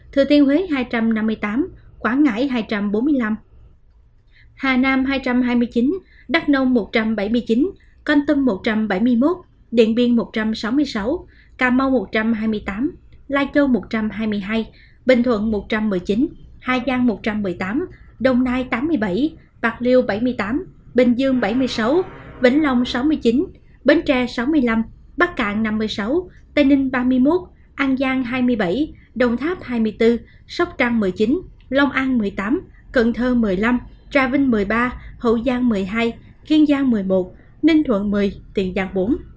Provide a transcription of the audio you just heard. thái bình tám trăm ba mươi sáu bình định tám trăm linh năm thanh hóa bảy trăm một mươi chín hà tĩnh bốn trăm một mươi chín hà giang một trăm một mươi tám đồng nai tám mươi bảy bạc liêu bảy mươi tám bình dương bảy mươi sáu vĩnh long sáu mươi chín bến tre sáu mươi năm bắc cạn năm mươi sáu tây ninh ba mươi một an giang hai mươi bảy đồng tháp hai mươi bốn sóc trang một mươi chín long an một mươi tám cần thơ một mươi năm tra vinh một mươi ba hậu giang một mươi hai kiên giang một mươi một ninh thuận một mươi tiền giang bốn